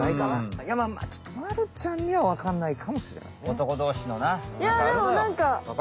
いやまあちょっとまるちゃんにはわかんないかもしれないね。